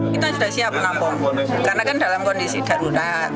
kita sudah siap menampung karena kan dalam kondisi darurat